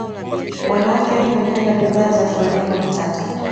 wanawake wengi walipenda bidhaa za flaviana matata